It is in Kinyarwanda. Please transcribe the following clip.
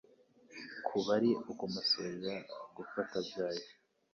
kuba ari ukumusurira gupfa atabyaye,